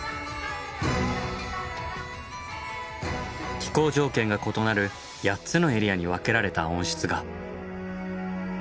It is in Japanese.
気候条件が異なる８つのエリアに分けられた温室が。